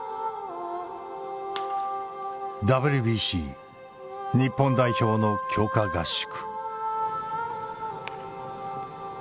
ＷＢＣ日本代表の強化合宿。